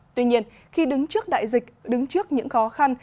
tuy nhiên khi đứng trước đại dịch đứng trước những khó khăn